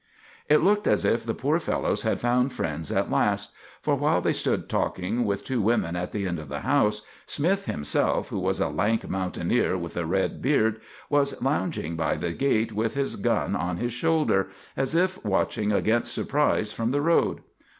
It looked as if the poor fellows had found friends at last; for, while they stood talking with two women at the end of the house, Smith himself, who was a lank mountaineer with a red beard, was lounging by the gate with his gun on his shoulder, as if watching against surprise from the road.